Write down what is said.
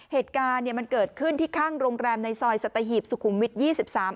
เหตุการณ์เนี่ยมันเกิดขึ้นที่ข้างโรงแรมในซอยสัตหีบสุขุมวิทยี่สิบสาม